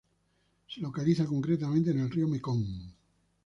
Se localiza concretamente en el río Mekong.